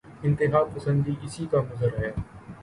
انتہاپسندی اسی کا مظہر ہے۔